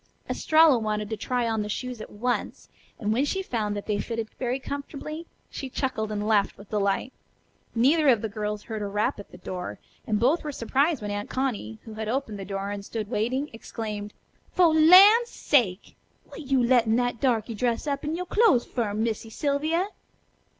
Estralla wanted to try on the shoes at once, and when she found that they fitted very comfortably, she chuckled and laughed with delight. Neither of the girls heard a rap at the door, and both were surprised when Aunt Connie, who had opened the door and stood waiting, exclaimed: "Fo' lan's sake! Wat you lettin' that darky dress up in you' clo'es fer, Missy Sylvia?"